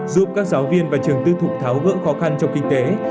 giúp các giáo viên và trường tư thục tháo gỡ khó khăn trong kinh tế